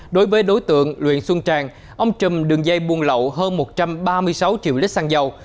đối với đối tượng luyện xuân trang ông trầm đường dây buôn lậu hơn một trăm ba mươi sáu triệu lít xăng dầu